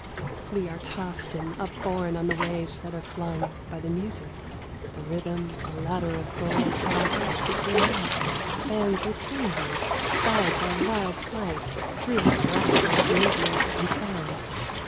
We are tossed and upborne on the waves that are flung By the music, The rhythm, a ladder of gold for our hearts as they mount, Spans eternity, Guides our wild flight Through this rapture of movement and sound.